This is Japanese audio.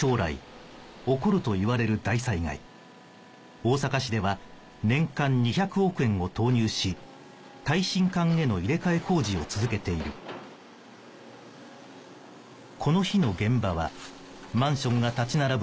大阪市では年間２００億円を投入し耐震管への入れ替え工事を続けているこの日の現場はマンションが立ち並ぶ